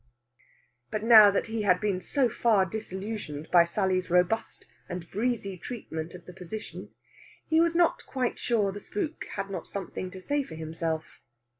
But now that he had been so far disillusioned by Sally's robust and breezy treatment of the position, he was not quite sure the spook had not something to say for himself.